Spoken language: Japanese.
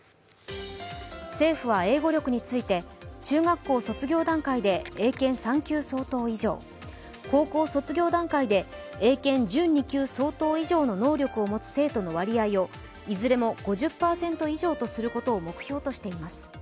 政府は英語力について、中学校卒業段階で英検３級相当以上、高校卒業段階で英検準２級相当以上の能力を持つ生徒の割合をいずれも５０％以上とすることを目標としています。